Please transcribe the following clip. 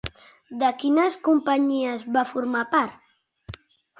De quines companyies va formar part?